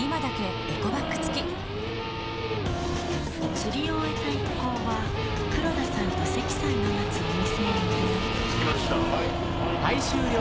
釣りを終えた一行は黒田さんと関さんが待つお店へ移動着きました。